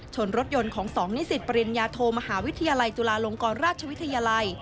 รถยนต์ของ๒นิสิตปริญญาโทมหาวิทยาลัยจุฬาลงกรราชวิทยาลัย